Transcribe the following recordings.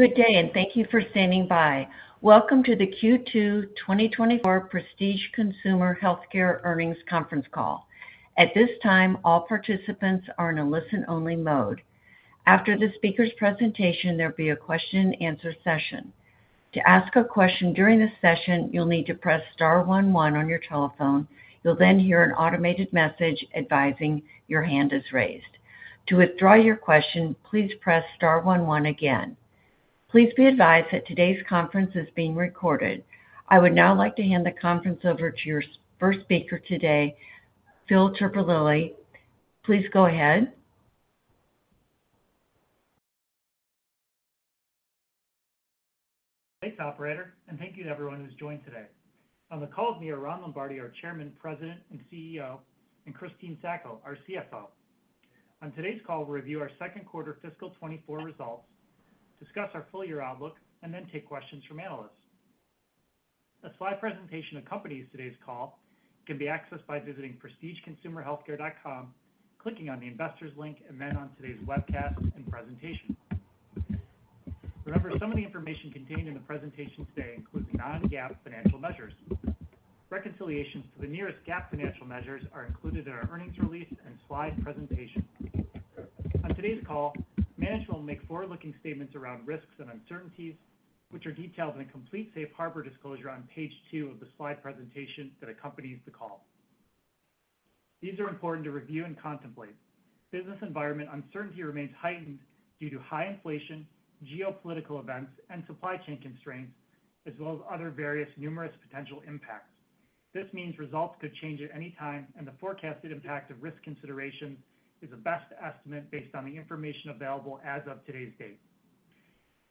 Good day, and thank you for standing by. Welcome to the Q2 2024 Prestige Consumer Healthcare Earnings Conference Call. At this time, all participants are in a listen-only mode. After the speaker's presentation, there'll be a question and answer session. To ask a question during this session, you'll need to press star one one on your telephone. You'll then hear an automated message advising your hand is raised. To withdraw your question, please press star one one again. Please be advised that today's conference is being recorded. I would now like to hand the conference over to your first speaker today, Phil Terpolilli. Please go ahead. Thanks, operator, and thank you to everyone who's joined today. On the call with me are Ron Lombardi, our Chairman, President, and CEO, and Christine Sacco, our CFO. On today's call, we'll review our second quarter fiscal 2024 results, discuss our full-year outlook, and then take questions from analysts. A slide presentation accompanies today's call, can be accessed by visiting prestigeconsumerhealthcare.com, clicking on the Investors link, and then on today's webcast and presentation. Remember, some of the information contained in the presentation today includes non-GAAP financial measures. Reconciliations to the nearest GAAP financial measures are included in our earnings release and slide presentation. On today's call, management will make forward-looking statements around risks and uncertainties, which are detailed in a complete Safe Harbor disclosure on page two of the slide presentation that accompanies the call. These are important to review and contemplate. Business environment uncertainty remains heightened due to high inflation, geopolitical events, and supply chain constraints, as well as other various numerous potential impacts. This means results could change at any time, and the forecasted impact of risk consideration is a best estimate based on the information available as of today's date.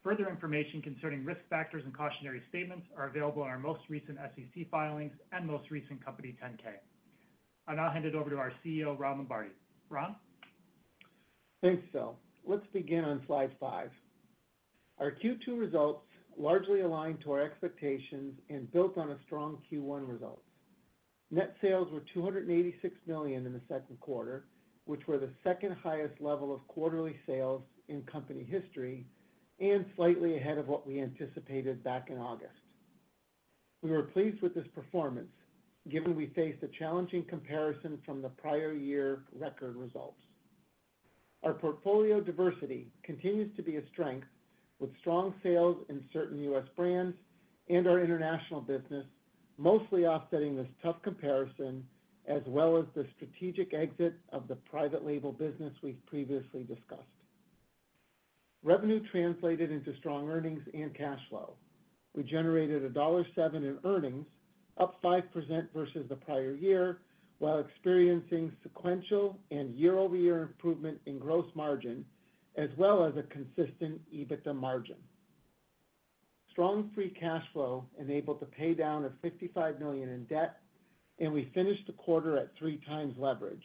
Further information concerning risk factors and cautionary statements are available in our most recent SEC filings and most recent Company 10-K. I'll now hand it over to our CEO, Ron Lombardi. Ron? Thanks, Phil. Let's begin on slide five. Our Q2 results largely aligned to our expectations and built on a strong Q1 result. Net sales were $286 million in the second quarter, which were the second-highest level of quarterly sales in company history and slightly ahead of what we anticipated back in August. We were pleased with this performance, given we faced a challenging comparison from the prior year record results. Our portfolio diversity continues to be a strength, with strong sales in certain U.S. brands and our international business, mostly offsetting this tough comparison, as well as the strategic exit of the private label business we've previously discussed. Revenue translated into strong earnings and cash flow. We generated $107 in earnings, up 5% versus the prior year, while experiencing sequential and year-over-year improvement in gross margin, as well as a consistent EBITDA margin. Strong free cash flow enabled us to pay down $55 million in debt, and we finished the quarter at 3x leverage.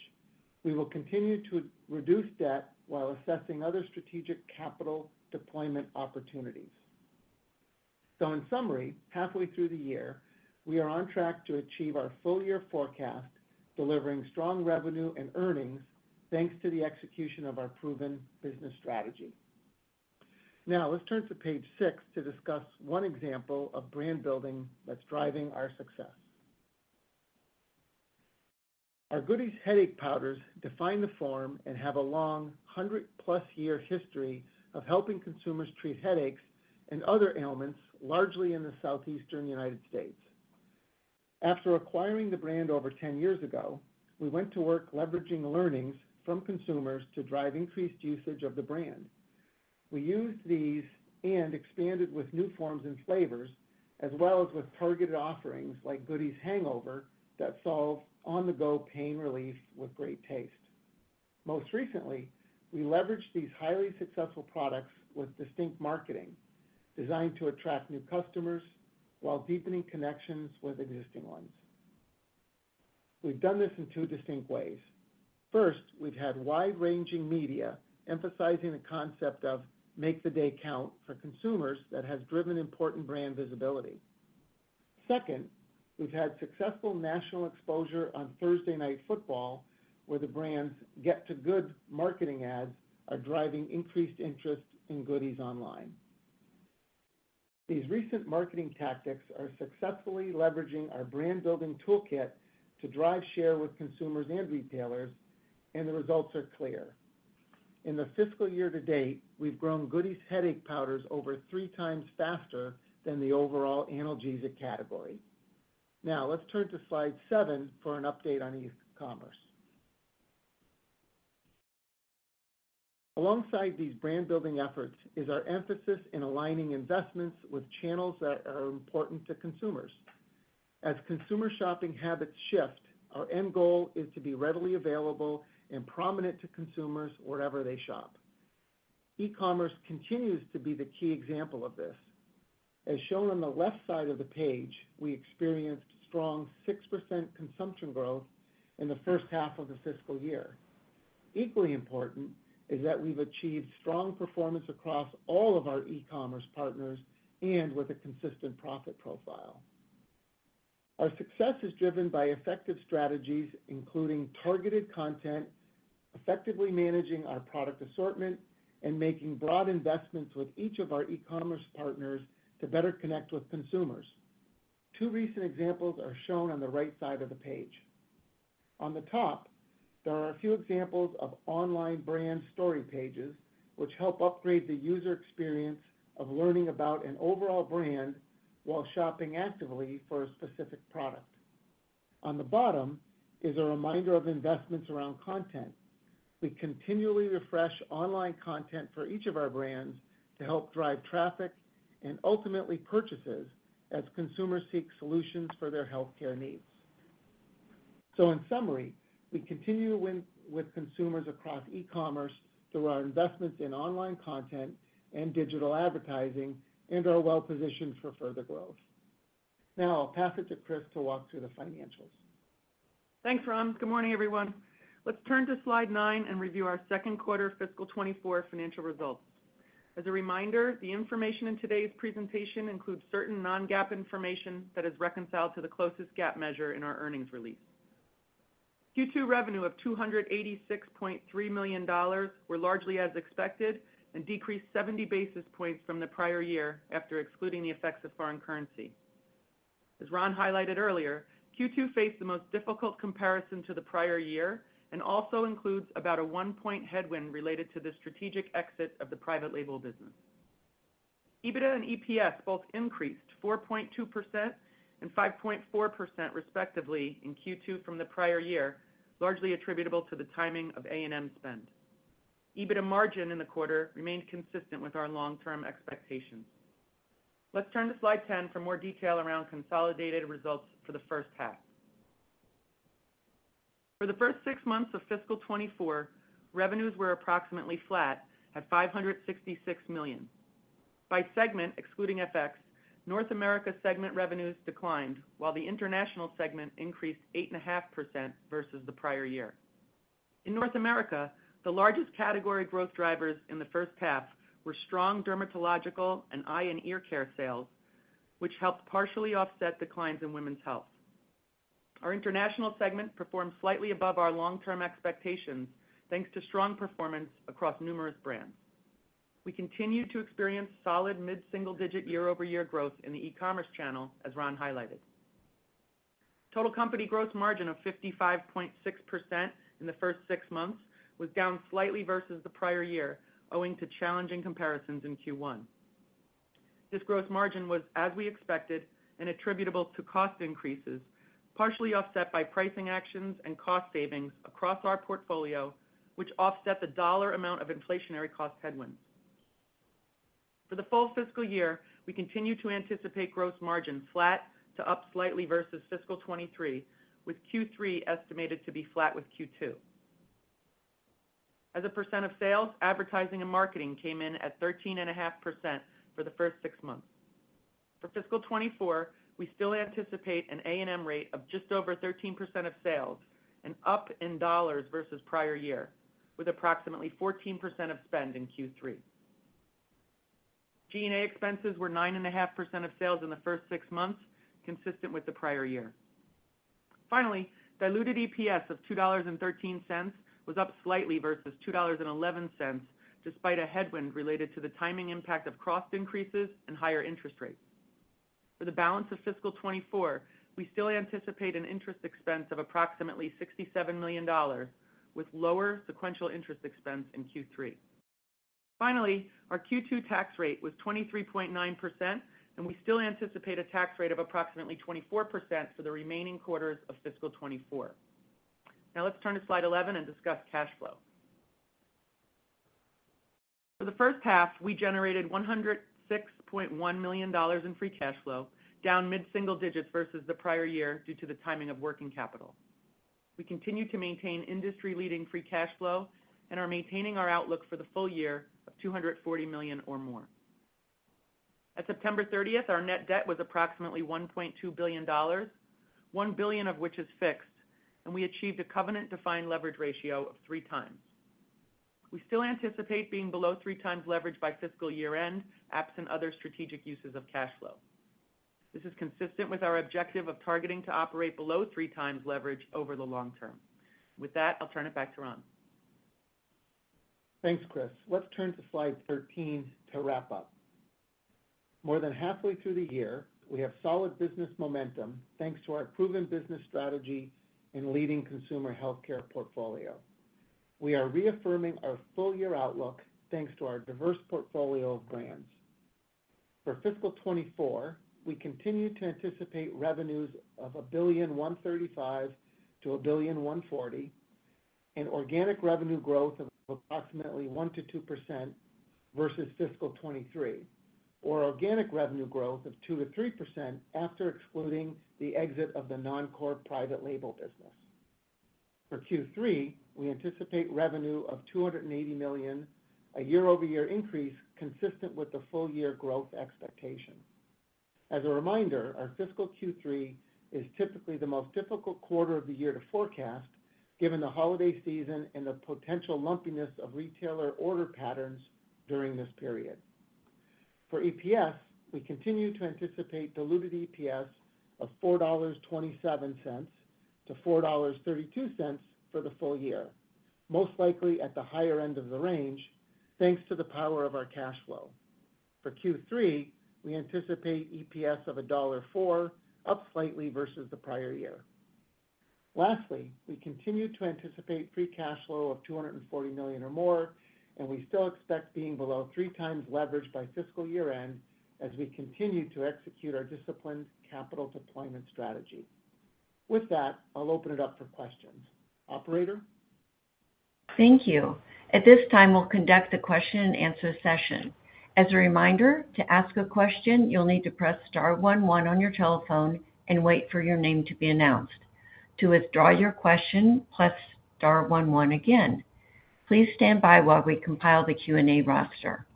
We will continue to reduce debt while assessing other strategic capital deployment opportunities. So in summary, halfway through the year, we are on track to achieve our full-year forecast, delivering strong revenue and earnings, thanks to the execution of our proven business strategy. Now, let's turn to page six to discuss one example of brand building that's driving our success. Our Goody's Headache Powders define the form and have a long 100+ year history of helping consumers treat headaches and other ailments, largely in the southeastern United States. After acquiring the brand over 10 years ago, we went to work leveraging learnings from consumers to drive increased usage of the brand. We used these and expanded with new forms and flavors, as well as with targeted offerings like Goody's Hangover, that solve on-the-go pain relief with great taste. Most recently, we leveraged these highly successful products with distinct marketing, designed to attract new customers while deepening connections with existing ones. We've done this in two distinct ways. First, we've had wide-ranging media emphasizing the concept of "Make the Day Count" for consumers that has driven important brand visibility. Second, we've had successful national exposure on Thursday Night Football, where the brand's "Get to Good" marketing ads are driving increased interest in Goody's online. These recent marketing tactics are successfully leveraging our brand-building toolkit to drive share with consumers and retailers, and the results are clear. In the fiscal year to date, we've grown Goody's Headache Powders over 3x faster than the overall analgesic category. Now, let's turn to slide seven for an update on e-commerce. Alongside these brand-building efforts is our emphasis in aligning investments with channels that are important to consumers. As consumer shopping habits shift, our end goal is to be readily available and prominent to consumers wherever they shop. E-commerce continues to be the key example of this. As shown on the left side of the page, we experienced strong 6% consumption growth in the first half of the fiscal year. Equally important is that we've achieved strong performance across all of our e-commerce partners and with a consistent profit profile. Our success is driven by effective strategies, including targeted content, effectively managing our product assortment, and making broad investments with each of our e-commerce partners to better connect with consumers. Two recent examples are shown on the right side of the page. On the top, there are a few examples of online brand story pages, which help upgrade the user experience of learning about an overall brand while shopping actively for a specific product. On the bottom is a reminder of investments around content. We continually refresh online content for each of our brands to help drive traffic and ultimately purchases as consumers seek solutions for their healthcare needs. So in summary, we continue to win with consumers across e-commerce through our investments in online content and digital advertising, and are well-positioned for further growth. Now I'll pass it to Chris to walk through the financials. Thanks, Ron. Good morning, everyone. Let's turn to slide nine and review our second quarter fiscal 2024 financial results. As a reminder, the information in today's presentation includes certain non-GAAP information that is reconciled to the closest GAAP measure in our earnings release. Q2 revenue of $286.3 million were largely as expected and decreased 70 basis points from the prior year, after excluding the effects of foreign currency. As Ron highlighted earlier, Q2 faced the most difficult comparison to the prior year and also includes about a 1-point headwind related to the strategic exit of the private label business. EBITDA and EPS both increased 4.2% and 5.4%, respectively, in Q2 from the prior year, largely attributable to the timing of A&M spend. EBITDA margin in the quarter remained consistent with our long-term expectations. Let's turn to slide 10 for more detail around consolidated results for the first half. For the first six months of fiscal 2024, revenues were approximately flat at $566 million. By segment, excluding FX, North America segment revenues declined, while the international segment increased 8.5% versus the prior year. In North America, the largest category growth drivers in the first half were strong dermatological and eye and ear care sales, which helped partially offset declines in women's health. Our international segment performed slightly above our long-term expectations, thanks to strong performance across numerous brands. We continue to experience solid mid-single-digit year-over-year growth in the e-commerce channel, as Ron highlighted. Total company gross margin of 55.6% in the first six months was down slightly versus the prior year, owing to challenging comparisons in Q1. This gross margin was as we expected and attributable to cost increases, partially offset by pricing actions and cost savings across our portfolio, which offset the dollar amount of inflationary cost headwinds. For the full fiscal year, we continue to anticipate gross margin flat to up slightly versus fiscal 2023, with Q3 estimated to be flat with Q2. As a percent of sales, advertising and marketing came in at 13.5% for the first six months. For fiscal 2024, we still anticipate an A&M rate of just over 13% of sales and up in dollars versus prior year, with approximately 14% of spend in Q3. G&A expenses were 9.5% of sales in the first six months, consistent with the prior year. Finally, diluted EPS of $2.13 was up slightly versus $2.11, despite a headwind related to the timing impact of cost increases and higher interest rates. For the balance of fiscal 2024, we still anticipate an interest expense of approximately $67 million, with lower sequential interest expense in Q3. Finally, our Q2 tax rate was 23.9%, and we still anticipate a tax rate of approximately 24% for the remaining quarters of fiscal 2024. Now let's turn to slide 11 and discuss cash flow. For the first half, we generated $106.1 million in free cash flow, down mid-single digits versus the prior year due to the timing of working capital. We continue to maintain industry-leading free cash flow and are maintaining our outlook for the full year of $240 million or more. At September 30, our net debt was approximately $1.2 billion, $1 billion of which is fixed, and we achieved a covenant-defined leverage ratio of 3x. We still anticipate being below 3x leverage by fiscal year-end, absent other strategic uses of cash flow. This is consistent with our objective of targeting to operate below 3x leverage over the long term. With that, I'll turn it back to Ron. Thanks, Chris. Let's turn to slide 13 to wrap up. More than halfway through the year, we have solid business momentum, thanks to our proven business strategy and leading consumer healthcare portfolio. We are reaffirming our full-year outlook, thanks to our diverse portfolio of brands. For fiscal 2024, we continue to anticipate revenues of $1.035 billion-$1.04 billion, and organic revenue growth of approximately 1%-2% versus fiscal 2023, or organic revenue growth of 2%-3% after excluding the exit of the non-core private label business. For Q3, we anticipate revenue of $280 million, a year-over-year increase consistent with the full-year growth expectation. As a reminder, our fiscal Q3 is typically the most difficult quarter of the year to forecast, given the holiday season and the potential lumpiness of retailer order patterns during this period. For EPS, we continue to anticipate diluted EPS of $4.27-$4.32 for the full year, most likely at the higher end of the range, thanks to the power of our cash flow. For Q3, we anticipate EPS of $1.04, up slightly versus the prior year. Lastly, we continue to anticipate free cash flow of $240 million or more, and we still expect being below 3x leverage by fiscal year-end as we continue to execute our disciplined capital deployment strategy. With that, I'll open it up for questions. Operator? Thank you. At this time, we'll conduct a question and answer session. As a reminder, to ask a question, you'll need to press star one one on your telephone and wait for your name to be announced. To withdraw your question, press star one one again. Please stand by while we compile the Q&A roster.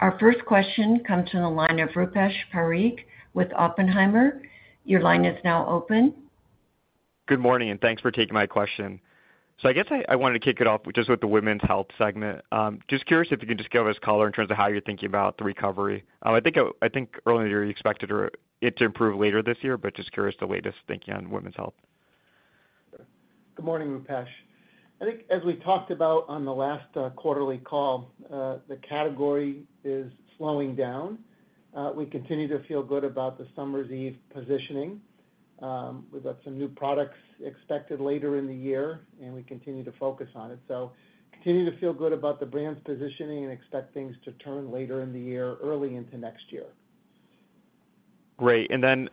Our first question comes from the line of Rupesh Parikh with Oppenheimer. Your line is now open. Good morning, and thanks for taking my question. So I guess I wanted to kick it off just with the women's health segment. Just curious if you can just give us color in terms of how you're thinking about the recovery. I think earlier, you expected it to improve later this year, but just curious the latest thinking on women's health. Good morning, Rupesh. I think as we talked about on the last quarterly call, the category is slowing down. We continue to feel good about the Summer's Eve positioning. We've got some new products expected later in the year, and we continue to focus on it. So continue to feel good about the brand's positioning and expect things to turn later in the year, early into next year. Great. And then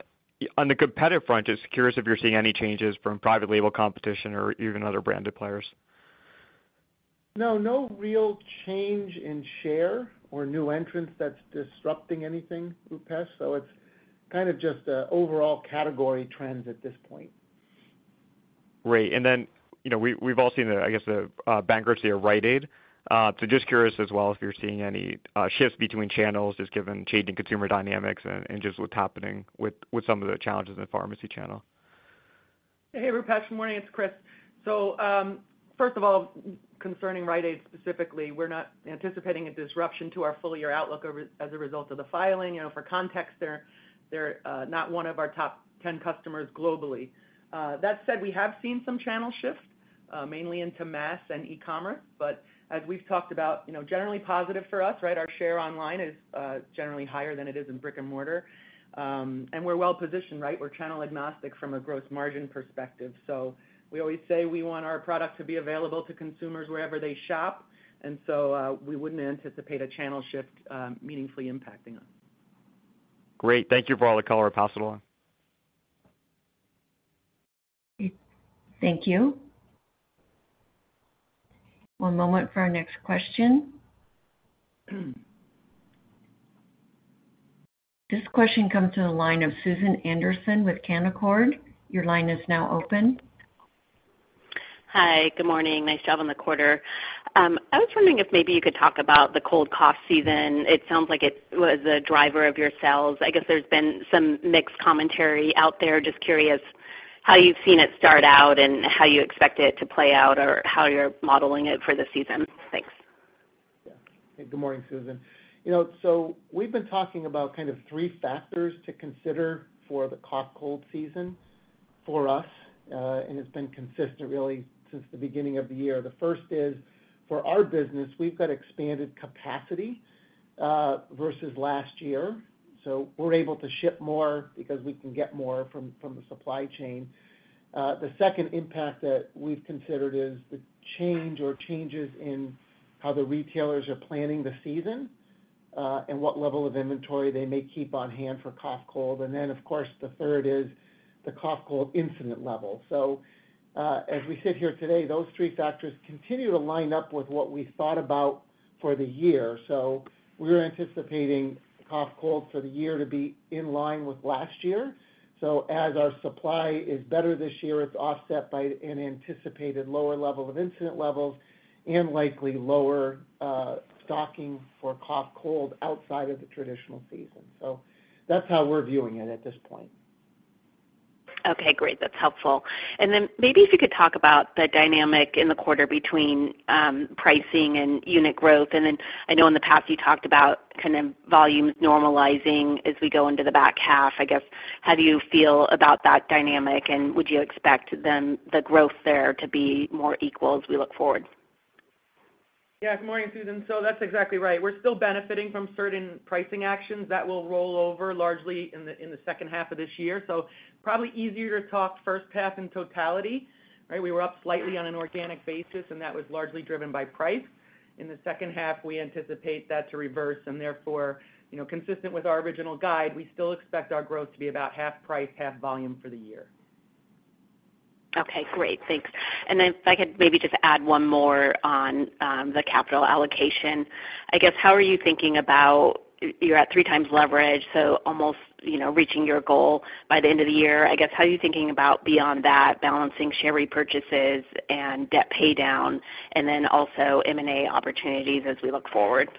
on the competitive front, just curious if you're seeing any changes from private label competition or even other branded players? No, no real change in share or new entrants that's disrupting anything, Rupesh. So it's kind of just, overall category trends at this point. Great. And then, you know, we, we've all seen the, I guess, the bankruptcy of Rite Aid. So just curious as well, if you're seeing any shifts between channels, just given changing consumer dynamics and, and just what's happening with, with some of the challenges in the pharmacy channel. Hey, Rupesh, good morning, it's Chris. So, first of all, concerning Rite Aid, specifically, we're not anticipating a disruption to our full-year outlook as a result of the filing. You know, for context, they're not one of our top ten customers globally. That said, we have seen some channel shifts, mainly into mass and e-commerce, but as we've talked about, you know, generally positive for us, right? Our share online is generally higher than it is in brick-and-mortar. And we're well positioned, right? We're channel agnostic from a gross margin perspective. So we always say we want our products to be available to consumers wherever they shop, and so, we wouldn't anticipate a channel shift meaningfully impacting us. Great. Thank you for all the color. Pass it along. Thank you. One moment for our next question. This question comes from the line of Susan Anderson with Canaccord. Your line is now open. Hi, good morning. Nice job on the quarter. I was wondering if maybe you could talk about the cold cough season. It sounds like it was a driver of your sales. I guess there's been some mixed commentary out there. Just curious how you've seen it start out and how you expect it to play out or how you're modeling it for the season. Thanks. Yeah. Good morning, Susan. You know, so we've been talking about kind of three factors to consider for the cough-cold season for us, and it's been consistent really since the beginning of the year. The first is, for our business, we've got expanded capacity versus last year. So we're able to ship more because we can get more from the supply chain. The second impact that we've considered is the change or changes in how the retailers are planning the season, and what level of inventory they may keep on hand for cough-cold. And then, of course, the third is the cough-cold incident level. So, as we sit here today, those three factors continue to line up with what we thought about for the year. So we're anticipating cough-cold for the year to be in line with last year. So as our supply is better this year, it's offset by an anticipated lower level of incident levels and likely lower stocking for cough-cold outside of the traditional season. So that's how we're viewing it at this point. Okay, great. That's helpful. And then maybe if you could talk about the dynamic in the quarter between pricing and unit growth. And then I know in the past you talked about kind of volumes normalizing as we go into the back half. I guess, how do you feel about that dynamic, and would you expect then the growth there to be more equal as we look forward? Yeah. Good morning, Susan. So that's exactly right. We're still benefiting from certain pricing actions that will roll over largely in the, in the second half of this year. So probably easier to talk first half in totality, right? We were up slightly on an organic basis, and that was largely driven by price. In the second half, we anticipate that to reverse and therefore, you know, consistent with our original guide, we still expect our growth to be about half price, half volume for the year. Okay, great. Thanks. And then if I could maybe just add one more on, the capital allocation. I guess, how are you thinking about... You're at 3x leverage, so almost, you know, reaching your goal by the end of the year. I guess, how are you thinking about beyond that, balancing share repurchases and debt paydown, and then also M&A opportunities as we look forward?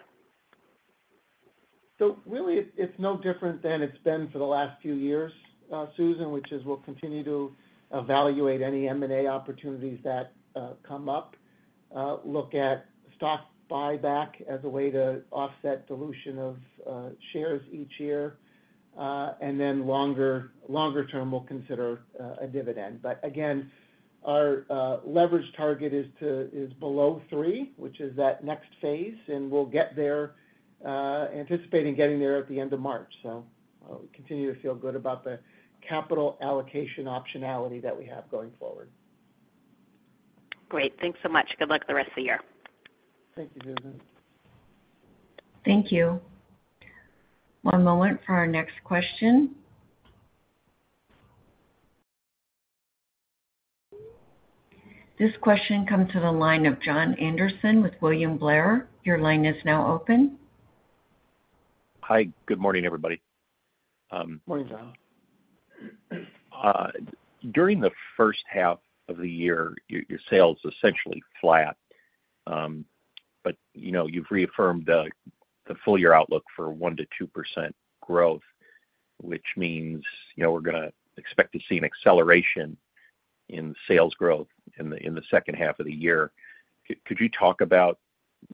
So really, it's, it's no different than it's been for the last few years, Susan, which is we'll continue to evaluate any M&A opportunities that come up, look at stock buyback as a way to offset dilution of shares each year. And then longer, longer term, we'll consider a dividend. But again, our leverage target is to-- is below three, which is that next phase, and we'll get there, anticipating getting there at the end of March. So, we continue to feel good about the capital allocation optionality that we have going forward. Great. Thanks so much. Good luck the rest of the year. Thank you, Susan. Thank you. One moment for our next question. This question comes to the line of Jon Andersen with William Blair. Your line is now open. Hi, good morning, everybody. Morning, Jon. During the first half of the year, your sales essentially flat. But you know, you've reaffirmed the full-year outlook for 1%-2% growth, which means, you know, we're gonna expect to see an acceleration in sales growth in the second half of the year. Could you talk about,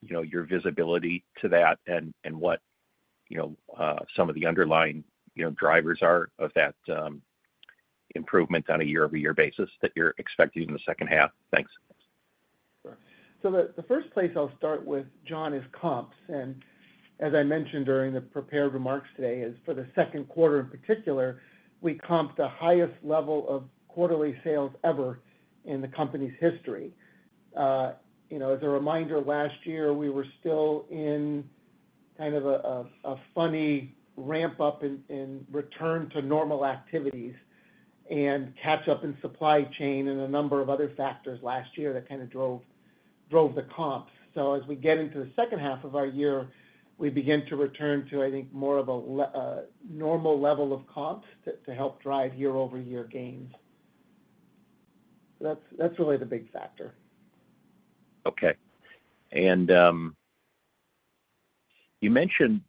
you know, your visibility to that and what, you know, some of the underlying drivers are of that improvement on a year-over-year basis that you're expecting in the second half? Thanks. Sure. So the first place I'll start with, Jon, is comps, and as I mentioned during the prepared remarks today, is for the second quarter in particular, we comped the highest level of quarterly sales ever in the company's history. You know, as a reminder, last year, we were still in kind of a funny ramp up in return to normal activities and catch up in supply chain and a number of other factors last year that kind of drove the comps. So as we get into the second half of our year, we begin to return to, I think, more of a normal level of comps to help drive year-over-year gains. That's really the big factor. Okay. And, you mentioned,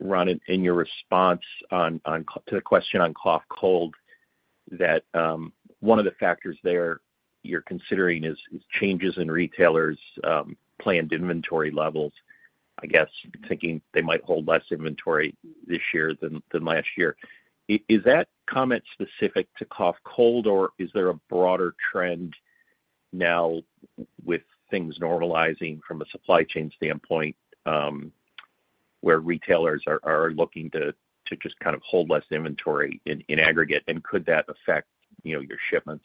Ron, in your response on to the question on cough, cold, that one of the factors there you're considering is changes in retailers' planned inventory levels. I guess, thinking they might hold less inventory this year than last year. Is that comment specific to cough, cold, or is there a broader trend now with things normalizing from a supply chain standpoint, where retailers are looking to just kind of hold less inventory in aggregate, and could that affect, you know, your shipments?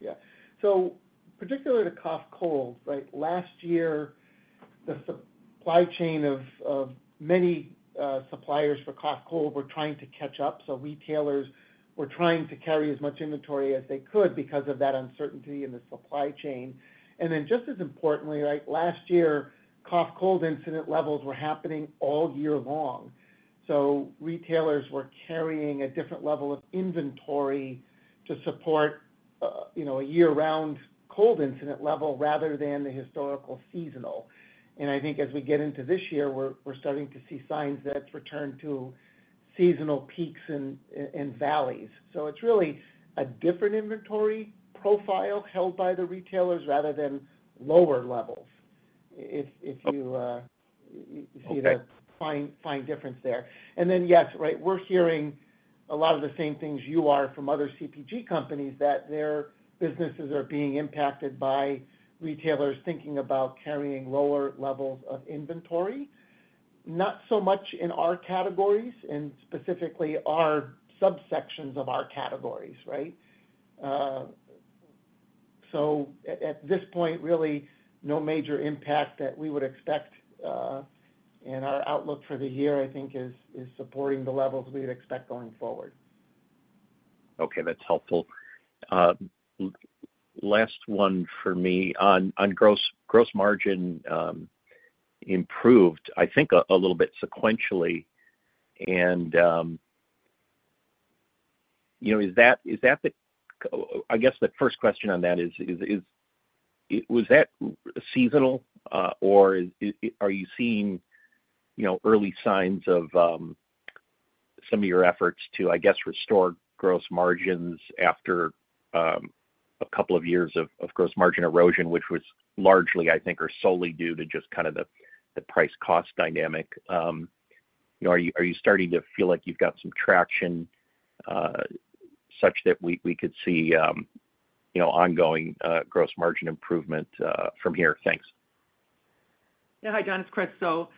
Yeah. So particularly the cough, cold, right? Last year, the supply chain of many suppliers for cough, cold were trying to catch up, so retailers were trying to carry as much inventory as they could because of that uncertainty in the supply chain. And then, just as importantly, like last year, cough, cold incidence levels were happening all year long. So retailers were carrying a different level of inventory to support, you know, a year-round cold incidence level rather than the historical seasonal. And I think as we get into this year, we're starting to see signs that it's returned to seasonal peaks and valleys. So it's really a different inventory profile held by the retailers rather than lower levels, if, if you- Okay. You see the fine, fine difference there. And then, yes, right, we're hearing a lot of the same things you are from other CPG companies, that their businesses are being impacted by retailers thinking about carrying lower levels of inventory. Not so much in our categories and specifically our subsections of our categories, right? So at this point, really, no major impact that we would expect, and our outlook for the year, I think, is supporting the levels we'd expect going forward. Okay, that's helpful. Last one for me. On gross margin improved, I think, a little bit sequentially. And you know, is that the... I guess the first question on that is, was that seasonal, or are you seeing, you know, early signs of some of your efforts to, I guess, restore gross margins after a couple of years of gross margin erosion, which was largely, I think, or solely due to just kind of the price cost dynamic? You know, are you starting to feel like you've got some traction such that we could see, you know, ongoing gross margin improvement from here? Thanks. Yeah. Hi, Jon, it's Chris. So,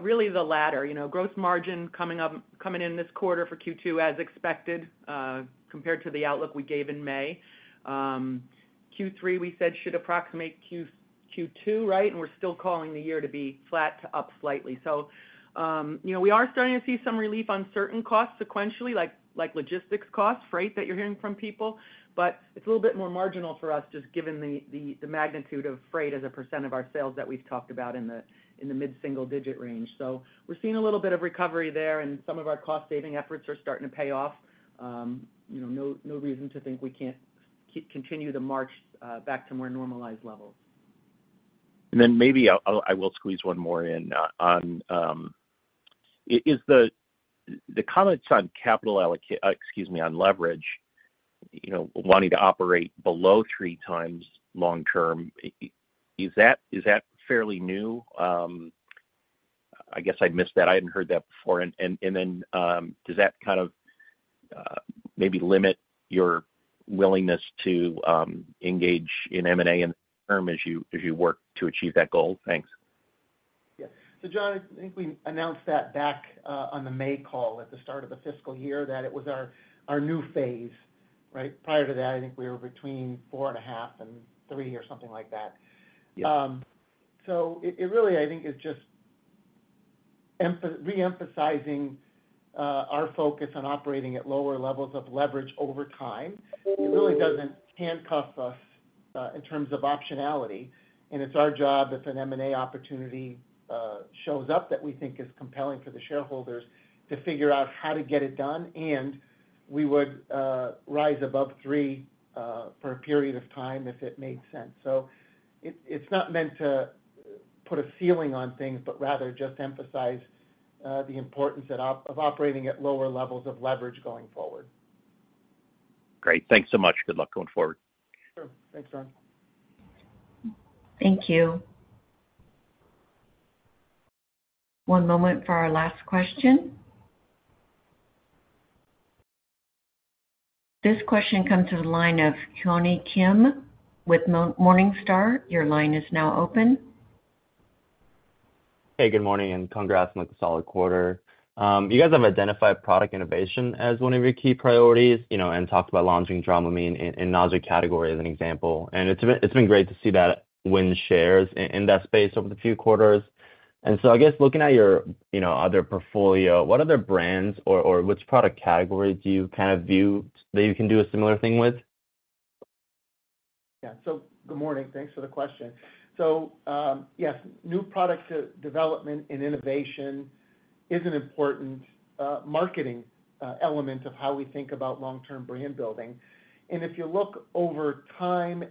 really the latter, you know, gross margin coming in this quarter for Q2 as expected, compared to the outlook we gave in May. Q3, we said, should approximate Q2, right? And we're still calling the year to be flat to up slightly. So, you know, we are starting to see some relief on certain costs sequentially, like logistics costs, freight that you're hearing from people. But it's a little bit more marginal for us, just given the magnitude of freight as a percent of our sales that we've talked about in the mid-single digit range. So we're seeing a little bit of recovery there, and some of our cost-saving efforts are starting to pay off. You know, no reason to think we can't continue the march back to more normalized levels. Then maybe I'll squeeze one more in, on the comments on leverage, you know, wanting to operate below 3x long term, is that fairly new? I guess I'd missed that. I hadn't heard that before. And then, does that kind of maybe limit your willingness to engage in M&A and term as you work to achieve that goal? Thanks. Yeah. So, Jon, I think we announced that back, on the May call at the start of the fiscal year, that it was our, our new phase, right? Prior to that, I think we were between 4.5 and 3 or something like that. Yeah. So it really, I think, is just re-emphasizing our focus on operating at lower levels of leverage over time. It really doesn't handcuff us in terms of optionality, and it's our job, if an M&A opportunity shows up, that we think is compelling for the shareholders, to figure out how to get it done. And we would rise above three for a period of time, if it made sense. So it's not meant to put a ceiling on things, but rather just emphasize the importance of operating at lower levels of leverage going forward. Great. Thanks so much. Good luck going forward. Sure. Thanks, Jon. Thank you. One moment for our last question. This question comes to the line of Keonhee Kim with Morningstar. Your line is now open. Hey, good morning, and congrats on a solid quarter. You guys have identified product innovation as one of your key priorities, you know, and talked about launching Dramamine in the nausea category as an example. And it's been great to see that win shares in that space over the few quarters. And so I guess, looking at your, you know, other portfolio, what other brands or, or which product categories do you kind of view that you can do a similar thing with? Yeah. So good morning. Thanks for the question. So, yes, new product development and innovation is an important marketing element of how we think about long-term brand building. And if you look over time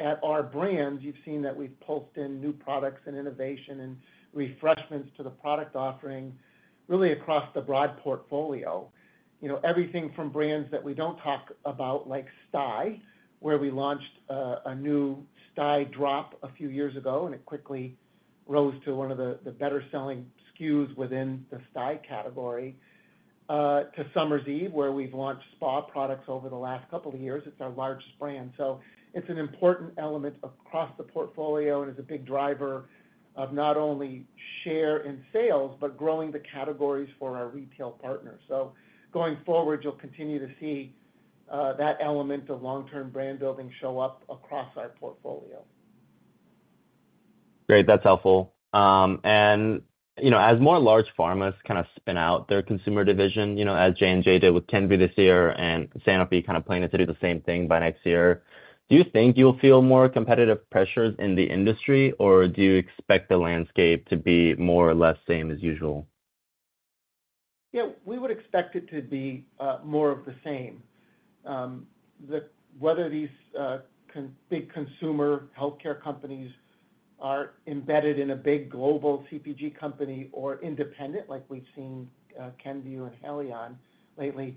at our brands, you've seen that we've pulsed in new products and innovation and refreshments to the product offering, really across the broad portfolio. You know, everything from brands that we don't talk about, like Stye, where we launched a new Stye drop a few years ago, and it quickly rose to one of the better-selling SKUs within the Stye category, to Summer's Eve, where we've launched spa products over the last couple of years. It's our largest brand, so it's an important element across the portfolio and is a big driver of not only share in sales, but growing the categories for our retail partners. So going forward, you'll continue to see that element of long-term brand building show up across our portfolio. Great, that's helpful. And, you know, as more large pharmas kind of spin out their consumer division, you know, as J&J did with Kenvue this year, and Sanofi kind of planning to do the same thing by next year, do you think you'll feel more competitive pressures in the industry, or do you expect the landscape to be more or less same as usual? Yeah, we would expect it to be more of the same. The whether these big consumer healthcare companies are embedded in a big global CPG company or independent, like we've seen, Kenvue and Haleon lately,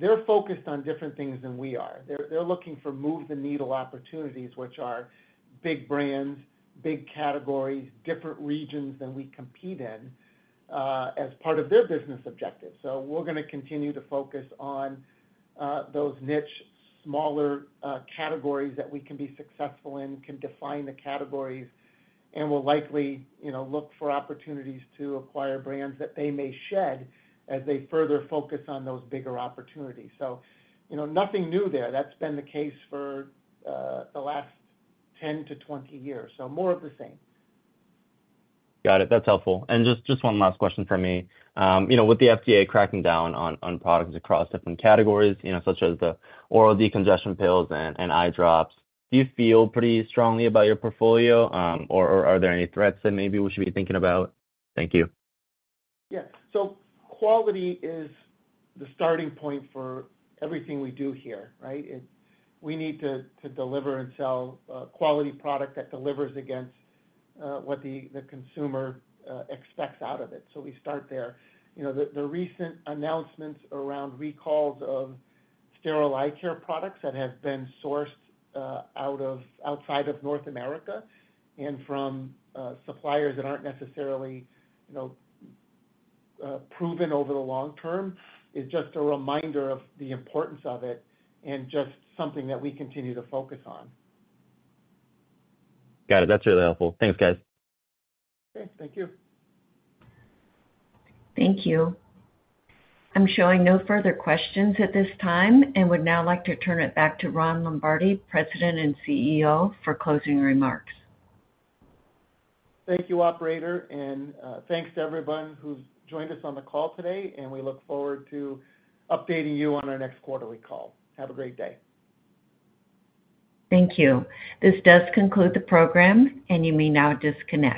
they're focused on different things than we are. They're looking for move-the-needle opportunities, which are big brands, big categories, different regions than we compete in as part of their business objectives. So we're gonna continue to focus on those niche, smaller categories that we can be successful in, can define the categories, and will likely, you know, look for opportunities to acquire brands that they may shed as they further focus on those bigger opportunities. So, you know, nothing new there. That's been the case for the last 10-20 years. So more of the same. Got it. That's helpful. Just one last question from me. You know, with the FDA cracking down on products across different categories, you know, such as the oral decongestion pills and eye drops, do you feel pretty strongly about your portfolio, or are there any threats that maybe we should be thinking about? Thank you. Yeah. So quality is the starting point for everything we do here, right? We need to deliver and sell quality product that delivers against what the consumer expects out of it. So we start there. You know, the recent announcements around recalls of sterile eye care products that have been sourced outside of North America and from suppliers that aren't necessarily, you know, proven over the long term, is just a reminder of the importance of it and just something that we continue to focus on. Got it. That's really helpful. Thanks, guys. Okay, thank you. Thank you. I'm showing no further questions at this time and would now like to turn it back to Ron Lombardi, President and CEO, for closing remarks. Thank you, operator, and, thanks to everyone who's joined us on the call today, and we look forward to updating you on our next quarterly call. Have a great day. Thank you. This does conclude the program, and you may now disconnect.